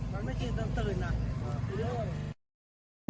มันไม่เคยจำตื่นอ่ะ